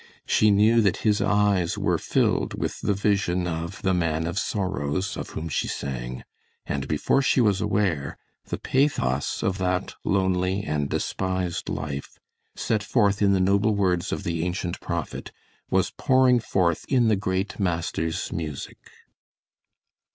She knew that his eyes were filled with the vision of "The Man of Sorrows" of whom she sang, and before she was aware, the pathos of that lonely and despised life, set forth in the noble words of the ancient prophet, was pouring forth in the great Master's music.